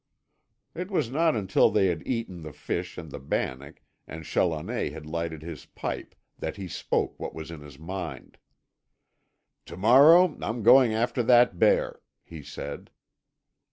It was not until they had eaten the fish and the bannock, and Challoner had lighted his pipe, that he spoke what was in his mind. "To morrow I'm going after that bear," he said.